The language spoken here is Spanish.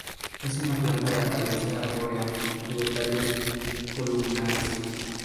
Es una planta de apariencia arborea y de tallos columnares.